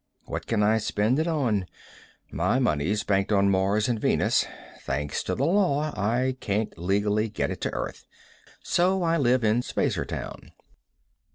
What can I spend it on? My money's banked on Mars and Venus. Thanks to the law I can't legally get it to Earth. So I live in Spacertown."